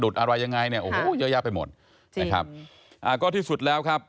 สาโชค